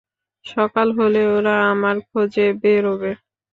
সকাল হলে, ওরা আমার খোঁজে বেরোবে।